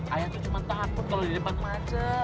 ayah itu cuma takut kalau di depan macet